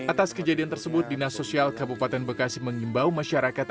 atas kejadian tersebut dinas sosial kabupaten bekasi mengimbau masyarakat